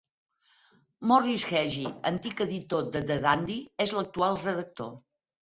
Morris Heggie, antic editor de "The Dandy", és l'actual redactor.